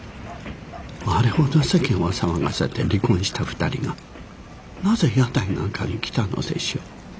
あれほど世間を騒がせて離婚した２人がなぜ屋台なんかに来たのでしょう。